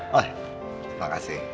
oh terima kasih